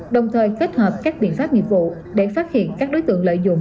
đồng thời kết hợp các biện pháp nghiệp vụ để phát hiện các đối tượng lợi dụng